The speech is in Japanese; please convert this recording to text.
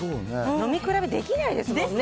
飲み比べできないですもんね。